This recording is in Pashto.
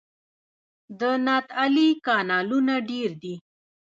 د نادعلي کانالونه ډیر دي